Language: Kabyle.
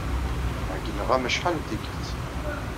Ɛeyyneɣ-am acḥal d tikkelt.